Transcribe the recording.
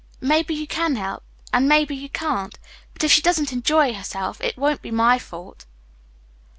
Maybe you can help and maybe you can't. But if she doesn't enjoy herself it won't be my fault."